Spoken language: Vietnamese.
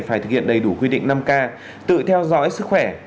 phải thực hiện đầy đủ quy định năm k tự theo dõi sức khỏe